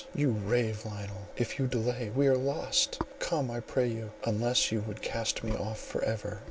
you rave, Lionel! If you delay we are lost; come, I pray you, unless you would cast me off for ever."